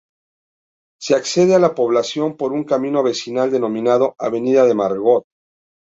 Se accede a la población por un camino vecinal, denominado "avenida de Margot".